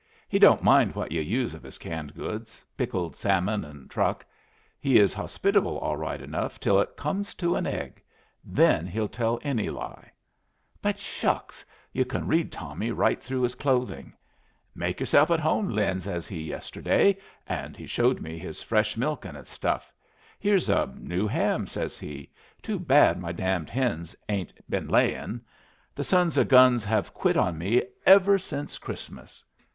"He don't mind what yu' use of his canned goods pickled salmon and truck. He is hospitable all right enough till it comes to an egg. Then he'll tell any lie. But shucks! Yu' can read Tommy right through his clothing. 'Make yourself at home, Lin,' says he, yesterday. And he showed me his fresh milk and his stuff. 'Here's a new ham,' says he; 'too bad my damned hens ain't been layin'. The sons o'guns have quit on me ever since Christmas.'